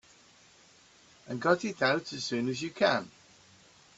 And got it out as soon as you can.